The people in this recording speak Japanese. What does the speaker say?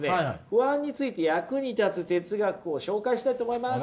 不安について役に立つ哲学を紹介したいと思います。